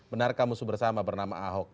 benarkah musuh bersama bernama ahok